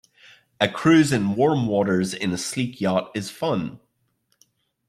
A cruise in warm waters in a sleek yacht is fun.